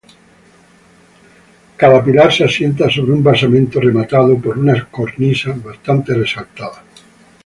Cada pilar se asienta sobre un basamento rematado por una cornisa bastante resaltada.